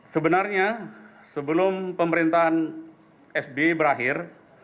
sebenarnya sebelum pemerintahan sby berakhir